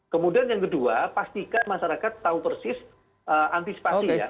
kemudian yang kedua pastikan masyarakat tahu persis antisipasi ya